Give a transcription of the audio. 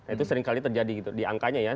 itu sering kali terjadi gitu di angkanya ya